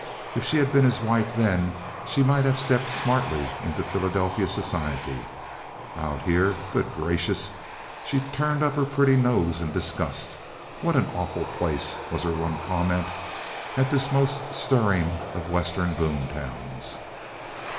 If she had been his wife then she might have stepped smartly into Philadelphia society. Out here, good gracious! She turned up her pretty nose in disgust. "What an awful place!" was her one comment at this most stirring of Western boom towns.